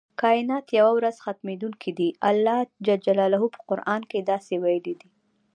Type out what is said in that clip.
کائنات یوه ورځ ختمیدونکي دي الله ج په قران کې داسې ویلي دی.